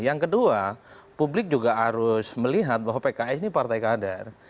yang kedua publik juga harus melihat bahwa pks ini partai kader